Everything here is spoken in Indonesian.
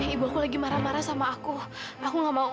ibu aku lagi marah marah sama aku aku gak mau